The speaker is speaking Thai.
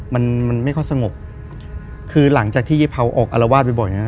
มันมันไม่ค่อยสงบคือหลังจากที่เยเผาออกอารวาสบ่อยบ่อยเนี้ย